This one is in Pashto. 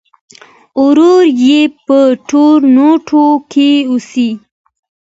ورور یې په ټورنټو کې اوسي.